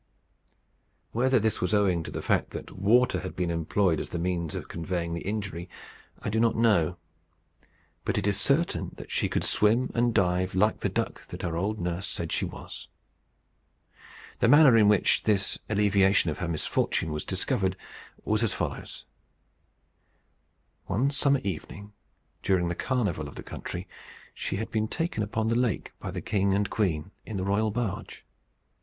Whether this was owing to the fact that water had been employed as the means of conveying the injury, I do not know. But it is certain that she could swim and dive like the duck that her old nurse said she was. The manner in which this alleviation of her misfortune was discovered was as follows: One summer evening, during the carnival of the country, she had been taken upon the lake by the king and queen, in the royal barge.